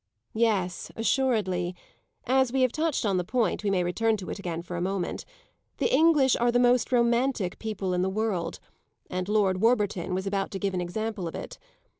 Yes, assuredly as we have touched on the point, we may return to it for a moment again the English are the most romantic people in the world and Lord Warburton was about to give an example of it.